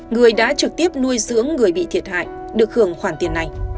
người đã trực tiếp nuôi dưỡng người bị thiệt hại được hưởng khoản tiền này